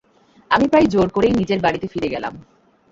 আমি প্রায় জোর করেই নিজের বাড়িতে ফিরে গেলাম।